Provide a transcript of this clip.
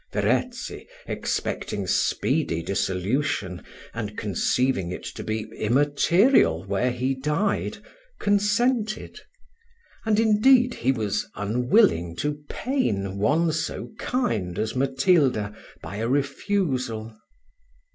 Verezzi, expecting speedy dissolution, and conceiving it to be immaterial where he died, consented; and indeed he was unwilling to pain one so kind as Matilda by a refusal.